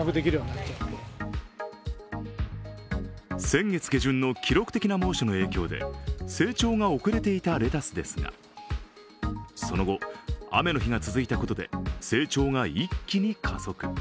先月下旬の記録的な猛暑の影響で成長が遅れていたレタスですがその後、雨の日が続いたことで成長が一気に加速。